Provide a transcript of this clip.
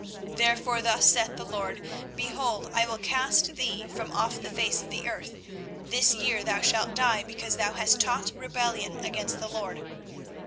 24:028:016 Therefore thus saith the LORD; Behold, I will cast thee from off the face of the earth: this year thou shalt die, because thou hast taught rebellion against the LORD.